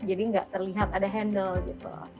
jadi nggak terlihat ada handle gitu